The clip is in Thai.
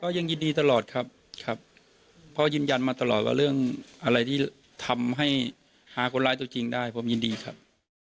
ยังยินดีตลอดครับครับเพราะยืนยันมาตลอดว่าเรื่องอะไรที่ทำให้หาคนร้ายตัวจริงได้ผมยินดีครับ